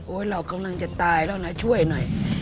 เรากำลังจะตายแล้วนะช่วยหน่อย